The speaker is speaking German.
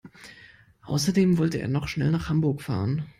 Außerdem wollte er noch schnell nach Hamburg fahren